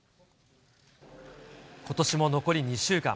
ことしも残り２週間。